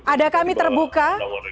ada kami terbuka